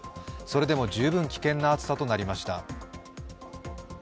それでも十分危険な暑さとなりました。